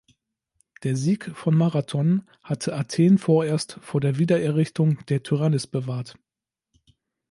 Der Sieg von Marathon hatte Athen vorerst vor der Wiedererrichtung der Tyrannis bewahrt.